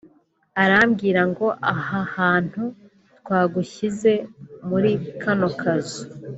arambwira ngo ‘aha hantu twagushyize muri kano kazu